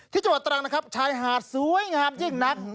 จังหวัดตรังนะครับชายหาดสวยงามยิ่งนัก